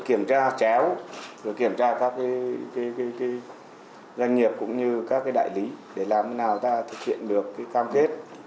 kiểm tra các doanh nghiệp cũng như các đại lý để làm thế nào ta thực hiện được cam kết